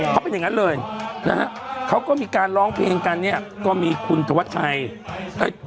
เขาเป็นอย่างนั้นเลยนะฮะเขาก็มีการร้องเพลงกันเนี่ยก็มีคุณธวัชชัย